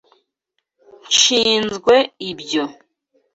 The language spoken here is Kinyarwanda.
Nshinzwe ibyo.